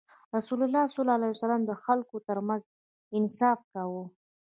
رسول الله ﷺ د خلکو ترمنځ انصاف کاوه.